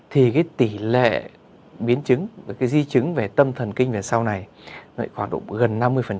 thì tỷ lệ biến chứng di chứng về tâm thần kinh về sau này khoảng độ gần năm mươi